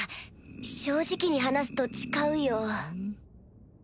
正直に話すと誓うよ。